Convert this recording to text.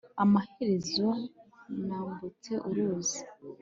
amaherezo nambutse uruzi